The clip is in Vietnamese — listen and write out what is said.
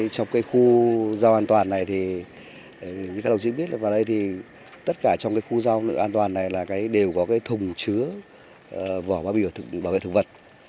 trong khu rau an toàn này tất cả trong khu rau an toàn này đều có thùng chứa vỏ bao bì thuốc bảo vệ thực vật